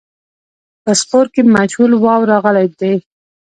په سپور کې مجهول واو راغلی دی.